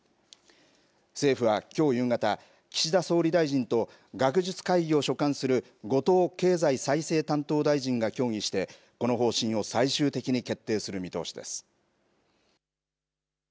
政府は、きょう夕方岸田総理大臣と学術会議を所管する後藤経済再生担当大臣が協議してこの方針を最終的に決定する見通しです。